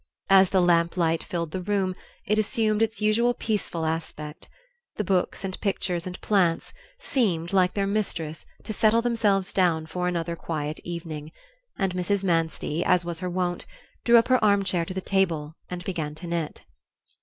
As the lamp light filled the room it assumed its usual peaceful aspect. The books and pictures and plants seemed, like their mistress, to settle themselves down for another quiet evening, and Mrs. Manstey, as was her wont, drew up her armchair to the table and began to knit.